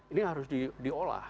ini harus diolah